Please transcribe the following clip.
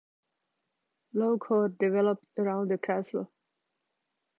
Loughor developed around the castle.